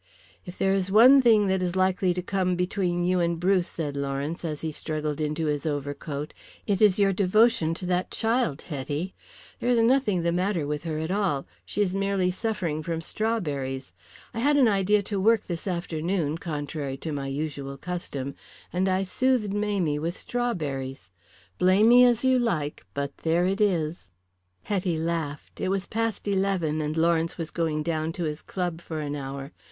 "If there is one thing that is likely to come between you and Bruce," said Lawrence, as he struggled into his overcoat, "it is your devotion to that child, Hetty. There is nothing the matter with her at all. She is merely suffering from strawberries. I had an idea to work this afternoon, contrary to my usual custom, and I soothed Mamie with strawberries. Blame me as you like, but there it is." Hetty laughed. It was past eleven, and Lawrence was going down to his club for an hour.